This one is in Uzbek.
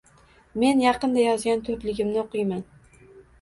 Men yaqinda yozgan to’rtligimnii o’qiyman: